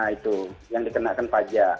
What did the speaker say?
itu yang dikenakan pajak